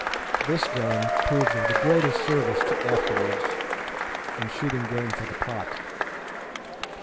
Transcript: This gun proved of the greatest service to us afterwards in shooting game for the pot.